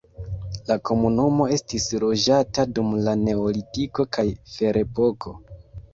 La komunumo estis loĝata dum la neolitiko kaj ferepoko.